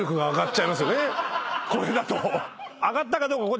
これだと。